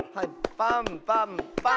パンパンパン。